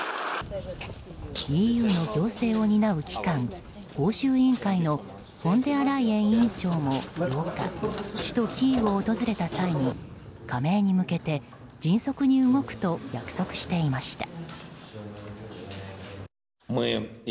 ＥＵの行政を担う機関欧州委員会の欧州委員会のフォンデアライエン委員長も８日首都キーウを訪れた際に加盟に向けて迅速に動くと約束していました。